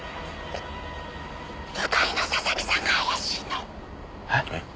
向かいの佐々木さんが怪しいの？え？